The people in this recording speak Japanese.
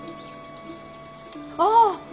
ああ！